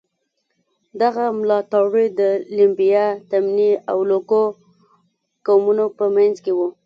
دغه ملاتړي د لیمبا، تمني او لوکو قومونو په منځ کې وو.